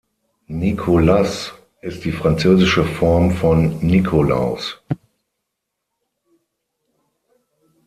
Nicolas ist die französische Form von Nikolaus.